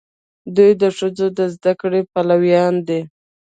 دوی د ښځو د زده کړې پلویان دي.